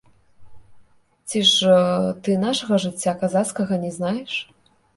Ці ж ты нашага жыцця казацкага не знаеш?